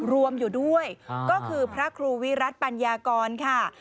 รวมอยู่ด้วยก็คือพระครูวิรัติปัญญากรค่ะ